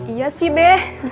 iya sih be